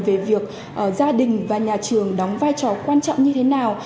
về việc gia đình và nhà trường đóng vai trò quan trọng như thế nào